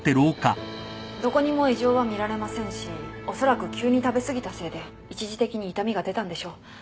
どこにも異常は見られませんしおそらく急に食べ過ぎたせいで一時的に痛みが出たんでしょう。